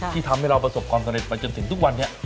ที่ทำให้เราประสบความสำเร็จไปจนถึงทุกวันนี้